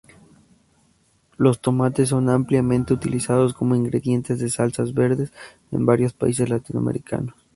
Los tomates son ampliamente utilizados como ingredientes de salsas verdes en varios países latinoamericanos.